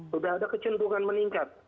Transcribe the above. sudah ada kecenderungan meningkat